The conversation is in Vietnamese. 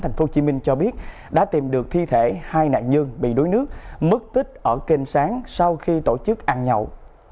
tp hcm cho biết đã tìm được thi thể hai nạn nhân bị đuối nước mất tích ở kênh sáng sau khi tổ chức ăn nhậu